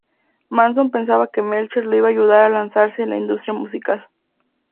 Manson pensaba que Melcher lo iba a ayudar a lanzarse en la industria musical.